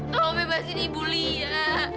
tolong bebasin ibu lia